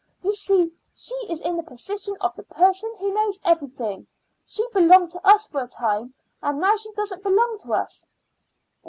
You see, she is in the position of the person who knows everything. She belonged to us for a time, and now she doesn't belong to us."